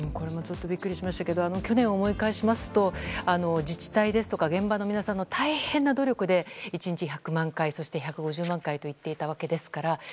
ちょっとビックリしましたが去年を思い返しますと自治体ですとか現場の皆さんの大変な努力で１日１００万回１５０万回といっていたわけです。